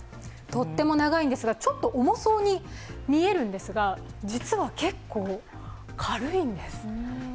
とっても長いんですがちょっと重そうに見えるんですが、実は結構軽いんです。